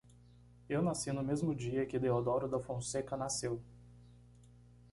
Eu nasci no mesmo dia que Deodoro da Fonseca nasceu.